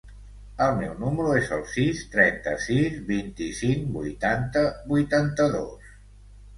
El meu número es el sis, trenta-sis, vint-i-cinc, vuitanta, vuitanta-dos.